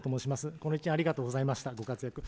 この１年、ありがとうございました、ご活躍。